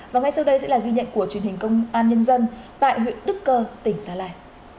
và ngay sau đây sẽ là ghi nhận của truyền hình công an nhân dân tại huyện đức cơ tỉnh gia lai